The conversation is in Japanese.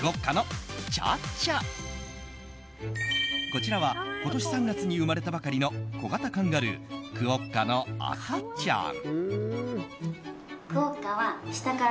こちらは今年３月に生まれたばかりの小型カンガルークオッカの赤ちゃん。